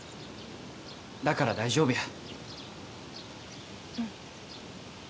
だから大丈夫や。